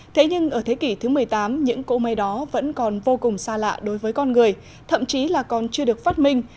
thế nhưng ở thế kỷ thứ một mươi tám những cỗ máy đó vẫn còn vô cùng xa lạ đối với con người thậm chí là còn chưa được phát minh